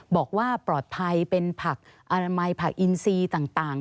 บอกว่าปลอดภัยเป็นผักอนามัยผักอินซีต่าง